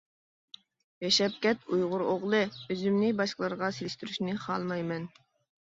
ياشاپ كەت ئۇيغۇر ئوغلى ئۆزۈمنى باشقىلارغا سېلىشتۇرۇشنى خالىمايمەن.